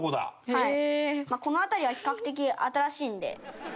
はい。